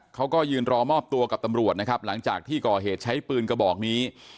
เขาก็ยืนรอมอบตัวกับตำรวจนะครับหลังจากที่ก่อเหตุใช้ปืนกระบอกนี้